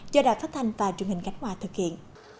do đài phát thanh và truyền hình cánh hòa thực hiện